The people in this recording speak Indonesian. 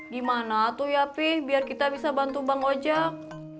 gimana tuh ya pih biar kita bisa bantu bang ojak